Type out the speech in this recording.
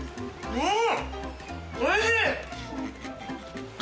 うん。